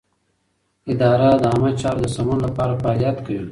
اداره د عامه چارو د سمون لپاره فعالیت کوي.